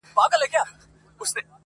ناشکري د نعمت ارزښت کموي.